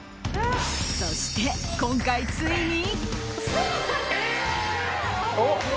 そして、今回ついに。